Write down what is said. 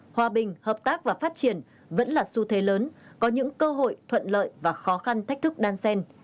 hòa bình hợp tác và phát triển vẫn là xu thế lớn có những cơ hội thuận lợi và khó khăn thách thức đan sen